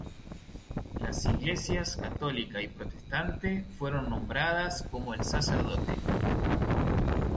Las iglesias católica y protestante fueron nombradas como el sacerdote.